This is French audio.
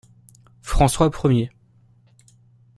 François premier.